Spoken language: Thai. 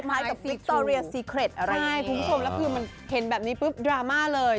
คุณผู้ชมแล้วคือมันเห็นแบบนี้ปุ๊บดราม่าเลย